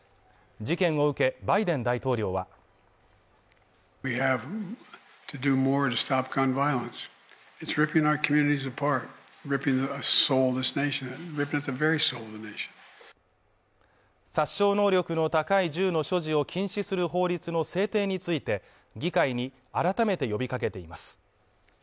事件を受け、バイデン大統領は殺傷能力の高い銃の所持を禁止する法律の制定について、議会に改めて呼びかけています。